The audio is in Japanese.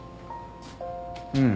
うん。